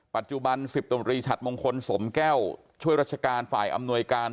ปัจจุบัน๑๐ตำรวจรีฉัดมงคลสมแก้วช่วยราชการฝ่ายอำนวยการ